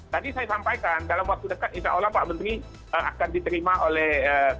tadi saya sampaikan dalam waktu dekat insya allah pak menteri akan diterima oleh